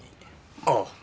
ああ。